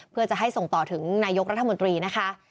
เพื่อจะให้ส่งต่อถึงนายกรัฐมนตรีนะคะ